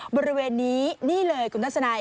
บริเวณนี้นี่เลยคุณทัศนัย